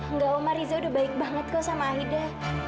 enggak oma riza udah baik banget kok sama aida